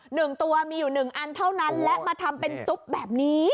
หนึ่งตัวมีอยู่หนึ่งอันเท่านั้นและมาทำเป็นซุปแบบนี้